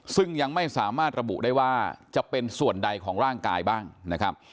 ซึ่งยังไม่สามารถระบุได้ว่าจะเป็นส่วนใดของร่างกายบ้างนะครับ